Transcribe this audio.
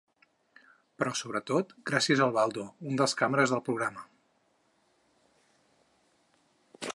Però sobretot, gràcies al Baldo, un dels càmeres del programa.